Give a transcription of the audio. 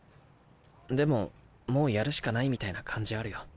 でももうやるしかないみたいな感じあるよ。